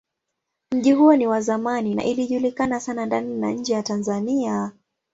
Mji huo ni wa zamani na ilijulikana sana ndani na nje ya Tanzania.